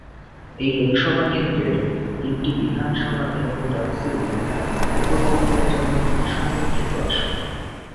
এই লোকসভা কেন্দ্রের তিনটি বিধানসভা কেন্দ্র তফসিলী উপজাতিদের জন্য সংরক্ষিত আসন।